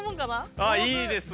あっいいですね。